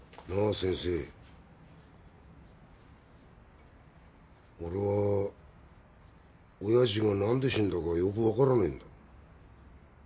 先生俺は親父が何で死んだかよく分からねえんだ